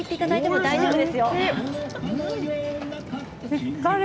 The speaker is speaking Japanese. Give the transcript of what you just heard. しっかり。